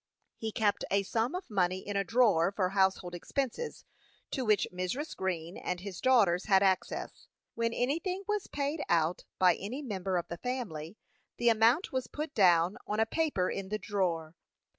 He kept a sum of money in a drawer for household expenses, to which Mrs. Green and his daughters had access. When anything was paid out by any member of the family, the amount was put down on a paper in the drawer.